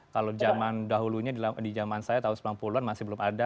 kalau zaman dahulunya di zaman saya tahun sembilan puluh an masih belum ada